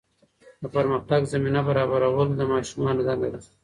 د پرمختګ زمینه برابرول د ماشومانو دنده ده.